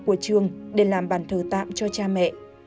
của trường để làm bàn thờ tạm cho cha mẹ